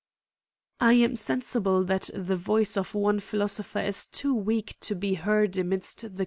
I am sensible that the voice of one philosopher is too weak to be heard amidst the.